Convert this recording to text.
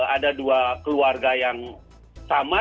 ada dua keluarga yang sama